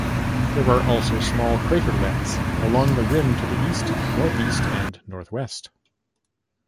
There are also small craterlets along the rim to the east, northeast, and northwest.